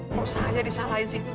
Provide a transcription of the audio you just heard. kok saya disalahin sih